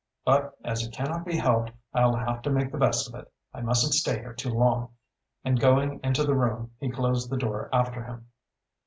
"But as it cannot be helped I'll have to make the best of it. I mustn't stay here too long," and going into the room he closed the door after him.